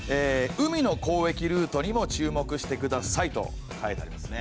海の交易ルートにも注目してくださいと書いてありますね。